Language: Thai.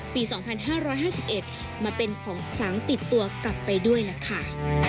ปี๒๕๕๑มาเป็นของคลังติดตัวกลับไปด้วยล่ะค่ะ